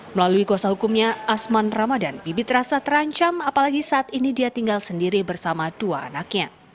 melalui kuasa hukumnya asman ramadan bibit rasa terancam apalagi saat ini dia tinggal sendiri bersama dua anaknya